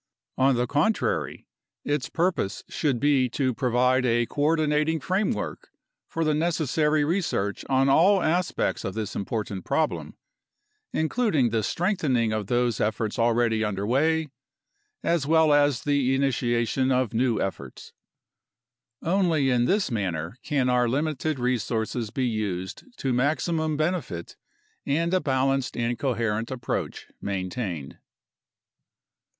On the contrary, its purpose should be to provide a coordinating framework for the necessary research on all aspects of this important problem, including the strengthening of those efforts already under way as well as the initiation of new efforts. Only in this manner can our limited resources be used to maximum benefit and a balanced and coherent approach maintained.